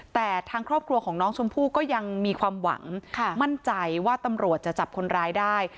แต่ทางครอบครัวของน้องชมพู่ก็ยังมีความหวังมั่นใจว่าตำรวจจะจับคนร้ายได้